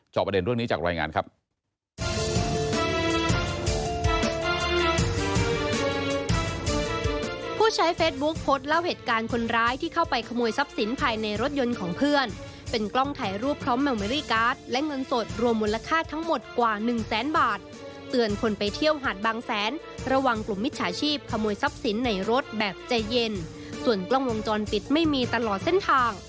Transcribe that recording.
ประเด็นเรื่องนี้จากรายงานครับ